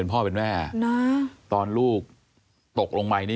ตกลงไปจากรถไฟได้ยังไงสอบถามแล้วแต่ลูกชายก็ยังไง